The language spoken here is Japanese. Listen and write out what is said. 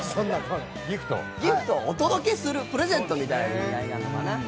ギフト、お届けするプレゼントみたいなことかな。